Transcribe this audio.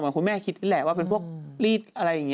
คุณแม่คิดแหละว่าเป็นพวกรีดอะไรอย่างนี้